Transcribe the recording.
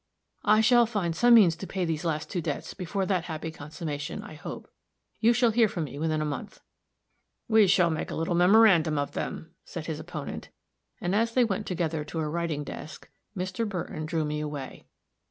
"I shall find some means to pay these last two debts before that happy consummation, I hope. You shall hear from me within a month." "We will make a little memorandum of them," said his opponent; and as they went together to a writing desk, Mr. Burton drew me away.